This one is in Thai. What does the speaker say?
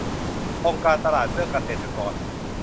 องค์การตลาดเพื่อเกษตรกร